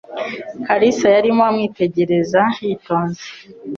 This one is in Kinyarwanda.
Kalisa yarimo amwitegereza yitonze.